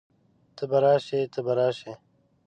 ته به راشئ، ته به راشې